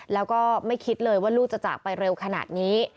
แล้วก็ไม่คิดเลยว่าลูกจะจากไปเร็วขนาดนี้